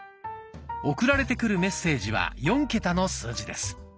送られてくるメッセージは４桁の数字です。